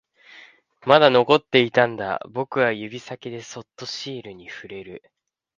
まだ残っていたんだ、僕は指先でそっとシールに触れる